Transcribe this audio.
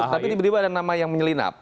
tapi tiba tiba ada nama yang menyelinap